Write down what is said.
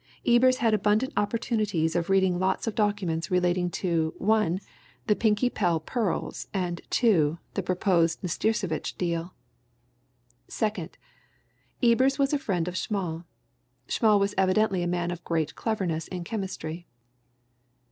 Ebers had abundant opportunities of reading lots of documents relating to (1) the Pinkie Pell pearls, and (2) the proposed Nastirsevitch deal. "Second. Ebers was a friend of Schmall. Schmall was evidently a man of great cleverness in chemistry.